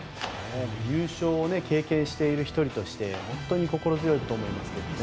優勝を経験している１人として心強いと思いますが。